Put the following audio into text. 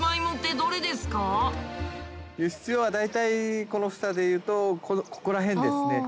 輸出用は大体この房で言うとここら辺ですね。